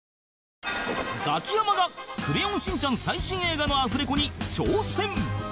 ザキヤマが『クレヨンしんちゃん』最新映画のアフレコに挑戦！